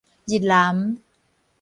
日南